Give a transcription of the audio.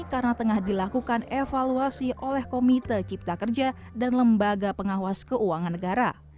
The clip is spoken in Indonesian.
karena tengah dilakukan evaluasi oleh komite cipta kerja dan lembaga pengawas keuangan negara